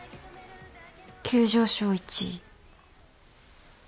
急上昇１位。